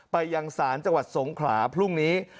ไปยังศาลจังหวัดสงขลาพรุ่งนี้